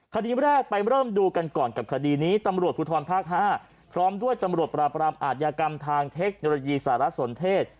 คดีแรกไปเริ่มดูกันก่อนกับคดีนี้ตำรวจภูทรภาค๕พร้อมด้วยตำรวจปราบรามอาทยากรรมทางเทคโนโลยีสารสนเทศ